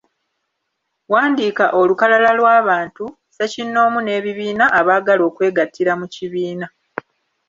Wandiika olukalala lw’abantu, ssekinnoomu n’ebibiina abaagala okwegattira mu kibiina.